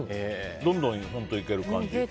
どんどんいける感じ。